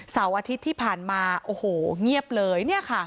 อาทิตย์ที่ผ่านมาโอ้โหเงียบเลย